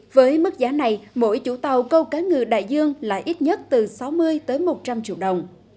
với mức giá này mỗi chủ tàu câu cá ngừ đại dương là ít nhất từ sáu mươi tới một trăm linh tấn